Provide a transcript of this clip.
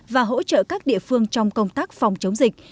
và hỗ trợ các địa phương trong công tác phòng chống dịch